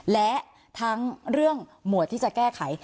และทั้งเรื่องหมวดที่จะแก้ไข